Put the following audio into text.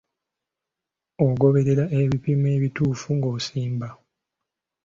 Ogoberera ebipimo ebituufu ng'osimba?